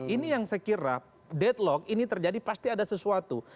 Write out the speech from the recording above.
ini yang sekirap deadlock ini terjadi pasti ada sesuatu